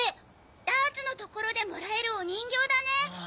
ダーツの所でもらえるお人形だね。